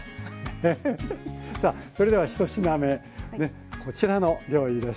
さあそれでは１品目ねこちらの料理です。